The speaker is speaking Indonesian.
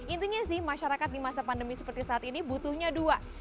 intinya sih masyarakat di masa pandemi seperti saat ini butuhnya dua